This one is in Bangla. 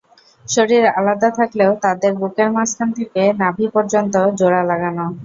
শরীর আলাদা থাকলেও তাদের বুকের মাঝখান থেকে নাভি পর্যন্ত জোড়া লাগানো।